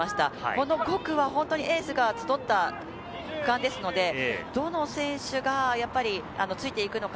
この５区は本当にエースが集った区間ですので、どの選手がやっぱりついていくのか？